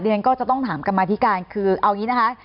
เดี๋ยวก็จะต้องถามกันมาที่การคือเอาอย่างนี้นะคะ